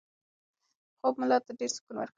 خوب ملا ته ډېر سکون ورکړ.